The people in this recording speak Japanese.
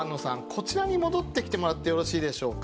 こちらに戻ってきてもらってよろしいでしょうか。